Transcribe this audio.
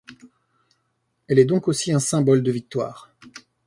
Elle est donc aussi un symbole de victoire.